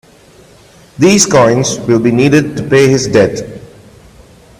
These coins will be needed to pay his debt.